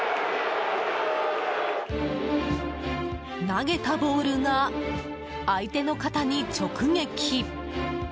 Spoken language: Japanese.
投げたボールが相手の肩に直撃。